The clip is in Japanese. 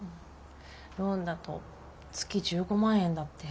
ローンだと月１５万円だって。